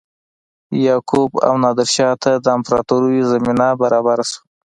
یعقوب او نادرشاه ته د امپراتوریو زمینه برابره شوه.